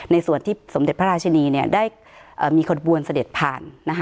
ในส่วนที่สมเด็จพระราชินีได้มีขบวนเสด็จผ่าน